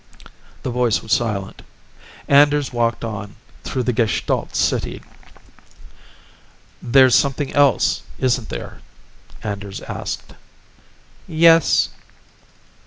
The voice was silent. Anders walked on, through the gestalt city. "There's something else, isn't there?" Anders asked. "Yes."